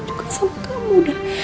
juga sama kamu